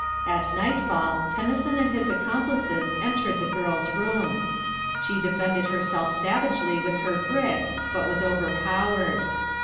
At nightfall Tennyson and his accomplices entered the girl's room. She defended herself savagely with her brick, but was overpowered.